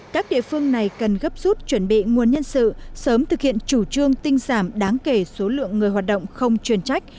các địa phương này cần gấp rút chuẩn bị nguồn nhân sự sớm thực hiện chủ trương tinh giảm đáng kể số lượng người hoạt động không chuyên trách